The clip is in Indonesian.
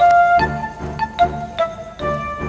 kalo itu bapak setuju